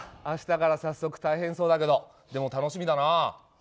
明日から早速大変そうだけどでも楽しみだな。